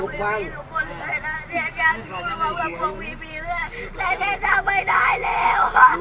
ลูกฟังขอลูกฟังขอลูกฟังขอลูกฟังขอ